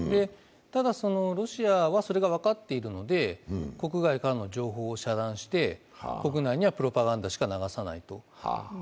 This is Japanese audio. ただ、ロシアはそれが分かっているので国外からの情報を遮断して国内にはプロパガンダしか流さない。